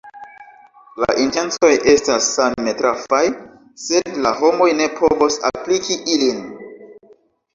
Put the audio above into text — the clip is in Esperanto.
La intencoj estas same trafaj, sed la homoj ne povos apliki ilin.